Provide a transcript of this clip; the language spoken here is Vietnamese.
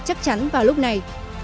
chắc chắn vào lúc này